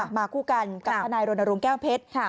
มาคู่กันกับทนายโรนโรงแก้วเผ็ด